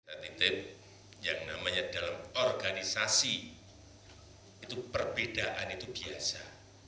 dan titik yang namanya dalam organisasi itu perbedaan itu biasa